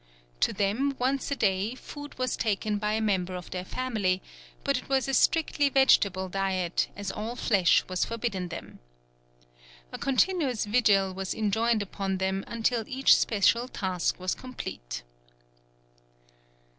To them once a day food was taken by a member of their family, but it was a strictly vegetable diet, as all flesh was forbidden them. A continuous vigil was enjoined upon them until each special task was complete.